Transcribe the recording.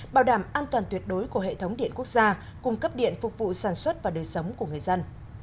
bảo đảm an toàn tuyệt đối của hệ thống điện quốc gia cung cấp điện phục vụ sản xuất và đời sống của người dân